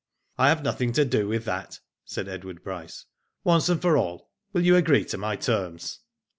"I have nothing to do with that," said Edward Bryce. " Once for all, will you agree to my terms?''